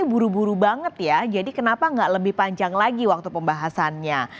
buru buru banget ya jadi kenapa nggak lebih panjang lagi waktu pembahasannya